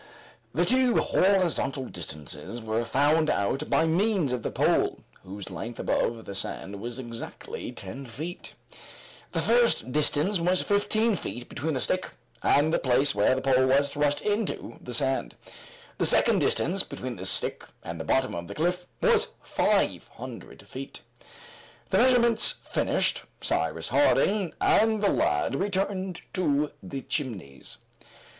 The two horizontal distances were found out by means of the pole, whose length above the sand was exactly ten feet. The first distance was fifteen feet between the stick and the place where the pole was thrust into the sand. The second distance between the stick and the bottom of the cliff was five hundred feet. These measurements finished, Cyrus Harding and the lad returned to the Chimneys.